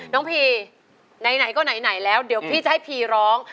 พีไหนก็ไหนแล้วเดี๋ยวพี่จะให้พีร้อง